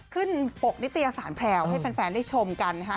ปกนิตยสารแพรวให้แฟนได้ชมกันนะคะ